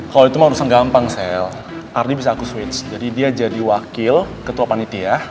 kalau itu mau urusan gampang sel ardi bisa aku switch jadi dia jadi wakil ketua panitia